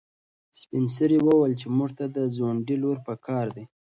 سپین سرې وویل چې موږ ته د ځونډي لور په کار ده.